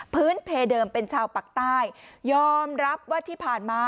เพเดิมเป็นชาวปากใต้ยอมรับว่าที่ผ่านมา